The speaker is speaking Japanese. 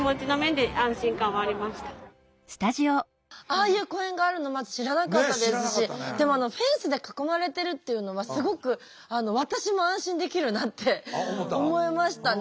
ああいう公園があるのまず知らなかったですしでもフェンスで囲まれてるっていうのはすごく私も安心できるなって思いましたね。